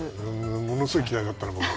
ものすごい嫌いだったの、僕。